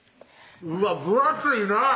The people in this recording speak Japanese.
うわっ分厚いなぁ